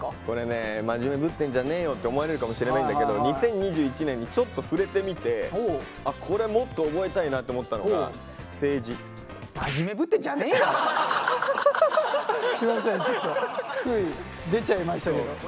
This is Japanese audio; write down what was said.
これね真面目ぶってんじゃねえよって思われるかもしれないんだけど２０２１年にちょっと触れてみて「あこれもっと覚えたいな」って思ったのがすいませんちょっとつい出ちゃいましたけど。